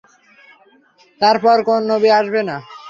তার পর কোন নবী হবে না।